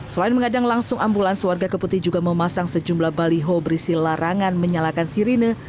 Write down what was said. selain mengadang langsung ambulans warga keputi juga memasang sejumlah baliho berisi larangan menyalakan sirine